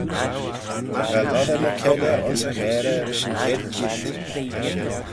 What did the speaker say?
Va lossey ny keylley ayns e gharey rish yn chied keayrt.